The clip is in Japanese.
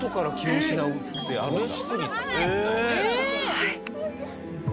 はい。